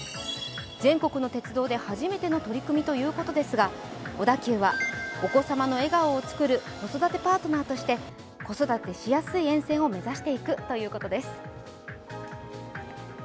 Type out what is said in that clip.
全国の鉄道で初めての取り組みということですが小田急は、お子様の笑顔をつくる子育てパートナーとして子育てしやすい沿線を目指していくということです。